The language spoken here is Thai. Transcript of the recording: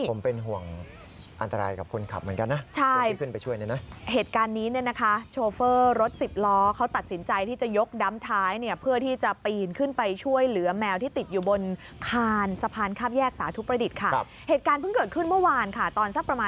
ผมเป็นห่วงอันตรายกับคุณขับเหมือนกับ